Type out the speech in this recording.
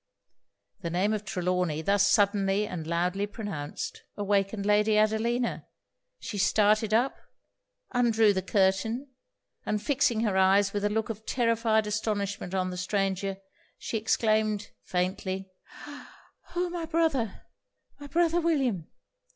The name of Trelawny, thus suddenly and loudly pronounced, awakened Lady Adelina. She started up undrew the curtain and fixing her eyes with a look of terrified astonishment on the stranger, she exclaimed, faintly 'Oh! my brother! my brother William!'